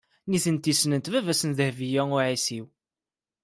Nitenti ssnent baba-s n Dehbiya u Ɛisiw.